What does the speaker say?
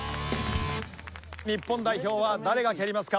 日本代表は誰が蹴りますか？